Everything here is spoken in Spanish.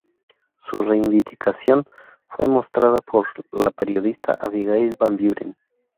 Su reivindicación fue demostrada por la periodista Abigail Van Buren.